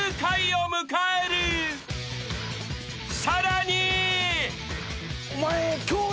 ［さらに］